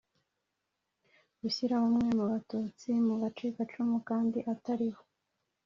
Gushyira bamwe mu batutsi mu bacikacumu kandi ataribo